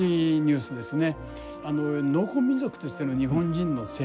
農耕民族としての日本人の生活